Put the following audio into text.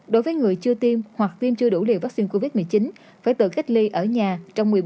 đối với người chưa tiêm hoặc tiêm chưa đủ liều vaccine covid một mươi chín phải tự cách ly ở nhà trong